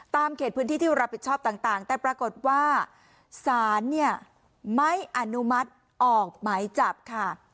เขตพื้นที่ที่รับผิดชอบต่างแต่ปรากฏว่าศาลเนี่ยไม่อนุมัติออกหมายจับค่ะ